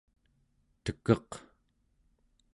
tekeq